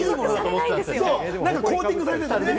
コーティングされてたりね。